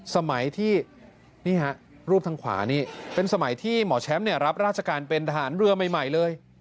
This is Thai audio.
สมัยที่นี่ฮะรูปทางขวานี่เป็นสมัยที่หมอแชมป์รับราชการเป็นทหารเรือใหม่เลย